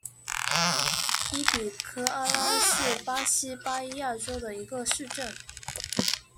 伊比科阿拉是巴西巴伊亚州的一个市镇。